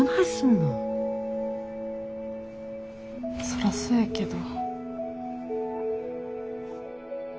そらそやけど。